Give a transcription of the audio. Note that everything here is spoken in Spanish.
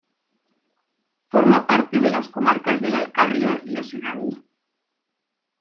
Forma parte de las comarcas de La Alcarria y La Serranía.